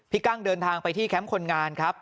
กั้งเดินทางไปที่แคมป์คนงานครับ